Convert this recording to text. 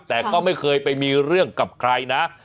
แต่ก็ไม่เคยไปมีเรื่องกับใครนะ